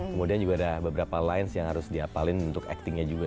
kemudian juga ada beberapa lines yang harus diapalin untuk actingnya juga